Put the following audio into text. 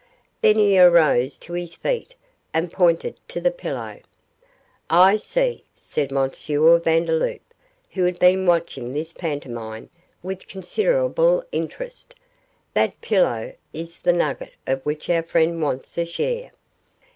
Then he arose to his feet and pointed to the pillow. 'I see,' said M. Vandeloup, who had been watching this pantomime with considerable interest; 'that pillow is the nugget of which our friend wants a share.